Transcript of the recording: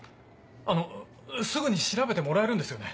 あのすぐに調べてもらえるんですよね？